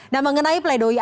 nah mengenai pleidoya